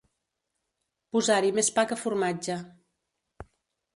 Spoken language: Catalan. Posar-hi més pa que formatge.